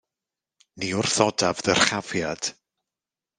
Ni wrthodaf ddyrchafiad.